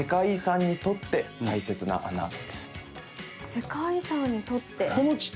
世界遺産にとって。